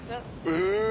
え！